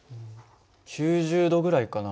９０度ぐらいかな。